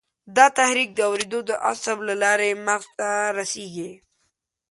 دا تحریک د اورېدو د عصب له لارې مغزو ته رسېږي.